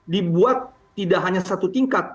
dibuat tidak hanya satu tingkat